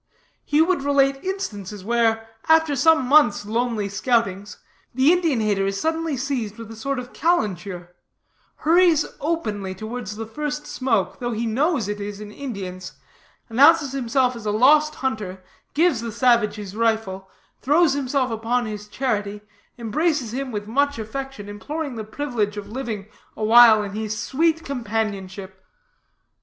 He would relate instances where, after some months' lonely scoutings, the Indian hater is suddenly seized with a sort of calenture; hurries openly towards the first smoke, though he knows it is an Indian's, announces himself as a lost hunter, gives the savage his rifle, throws himself upon his charity, embraces him with much affection, imploring the privilege of living a while in his sweet companionship.